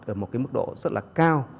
ở một cái mức độ rất là cao